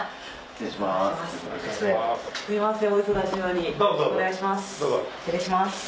失礼します。